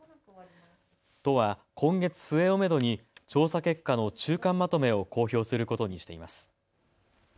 都は今月末をめどに調査結果の中間まとめを公表することにしています。